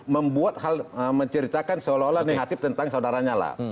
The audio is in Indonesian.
membuat hal menceritakan seolah olah negatif tentang saudaranya lah